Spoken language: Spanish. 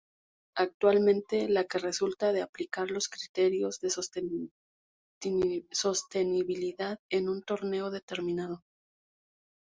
Actualmente, la que resulta de aplicar los criterios de sostenibilidad en un entorno determinado.